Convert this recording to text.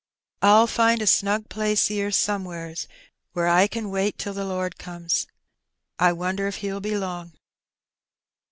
'' I'll find a snug place 'ere somewheres, where I ken wait till the Lord comes. I wonder if He'll be long?